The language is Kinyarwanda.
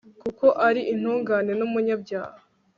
kuko ari intungane n'umunyabyaha